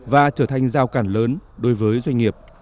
và trở thành giao cản lớn đối với doanh nghiệp